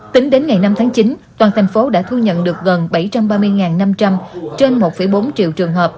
tính đến ngày năm tháng chín toàn thành phố đã thu nhận được gần bảy trăm ba mươi năm trăm linh trên một bốn triệu trường hợp